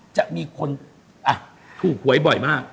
จะมีคนถูกหวยบ่อยมาก